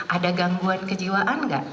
ada gangguan kejiwaan nggak